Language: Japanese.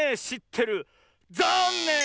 ざんねん！